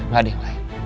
gak ada yang lain